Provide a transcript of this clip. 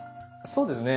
そうですね。